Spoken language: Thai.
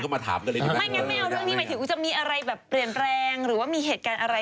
หรือว่ามีเหตุการณ์อะไร